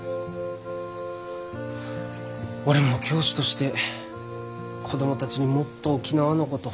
俺も教師として子供たちにもっと沖縄のこと